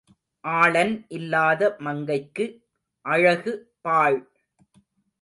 ஆளன் இல்லாத மங்கைக்கு அழகு பாழ்.